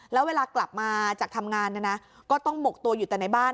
แล้วเวลากลับมาจากทำงานก็ต้องหมกตัวอยู่แต่ในบ้าน